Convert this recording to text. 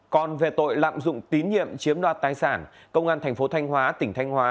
còn về tội lạm dụng tín nhiệm chiếm đoạt tài sản công an tp thanh hóa tỉnh thanh hóa